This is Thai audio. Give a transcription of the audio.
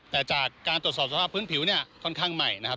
แต่จากการตรวจสอบสภาพพื้นผิวเนี่ยค่อนข้างใหม่นะครับ